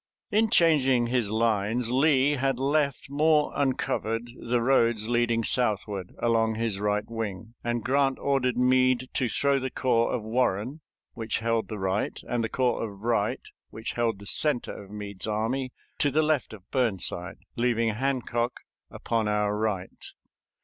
In changing his lines Lee had left more uncovered the roads leading southward along his right wing, and Grant ordered Meade to throw the corps of Warren, which held the right, and the corps of Wright, which held the center of Meade's army, to the left of Burnside, leaving Hancock upon our right.